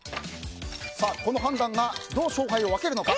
この判断がどう勝敗を分けるのか。